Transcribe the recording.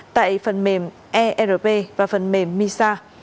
tại phần mềm erp và phần mềm misa